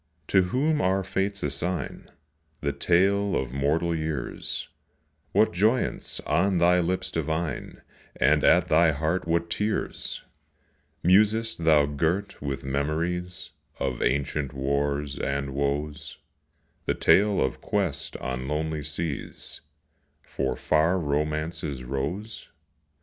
to whom our Fates assign The tale of mortal years, What joyance on thy lips divine And at thy heart what tears! Musest thou girt with memories Of ancient wars and woes The tale of quest on lonely seas For far Romance's rose?